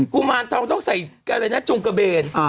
กุมารทองต้องใส่อะไรนะจงกระเบน